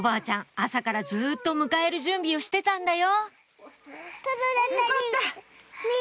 朝からずっと迎える準備をしてたんだよ